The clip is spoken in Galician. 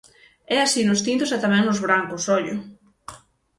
É así nos tintos e tamén nos brancos, ollo!